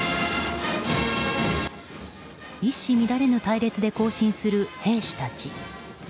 一糸乱れぬ隊列で行進する兵士たち。